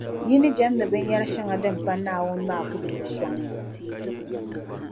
Yi ni jεmdi binyɛr’ shɛŋa din pa Naawuni maa ku tooi sɔŋ ya.